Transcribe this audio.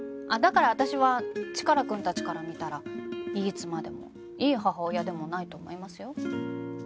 だから私はチカラくんたちから見たらいい妻でもいい母親でもないと思いますよ。